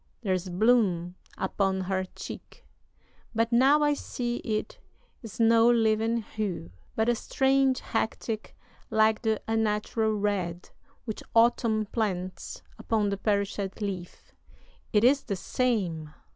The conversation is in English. there's bloom upon her cheek; But now I see it is no living hue, But a strange hectic like the unnatural red Which Autumn plants upon the perish'd leaf. It is the same!